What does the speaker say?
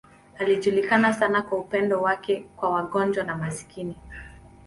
Alijulikana sana kwa upendo wake kwa wagonjwa na maskini.